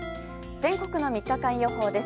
全国の３日間予報です。